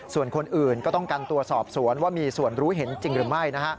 ส่วนคนอื่นก็ต้องกันตัวสอบสวนว่ามีส่วนรู้เห็นจริงหรือไม่